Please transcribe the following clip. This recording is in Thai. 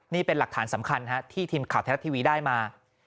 นี่เป็นหลักฐานสำคัญที่ทีมข่าวไทยรัฐทีวีได้มา